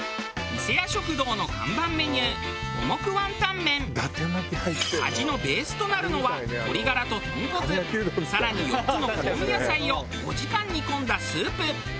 世屋食堂の看板メニュー味のベースとなるのは鶏ガラと豚骨更に４つの香味野菜を５時間煮込んだスープ。